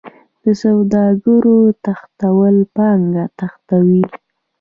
د سوداګرو تښتول پانګه تښتوي.